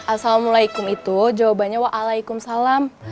assalamualaikum itu jawabannya waalaikumsalam